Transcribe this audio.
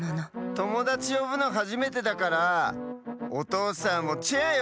ともだちよぶのはじめてだからおとうさんもチェアよろこんでるんすよ。